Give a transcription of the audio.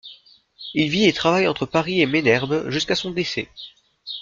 Il vit et travaille entre Paris et Ménerbes jusqu'à son décès.